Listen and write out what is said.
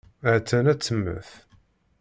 Ha-tt-an ad temmet.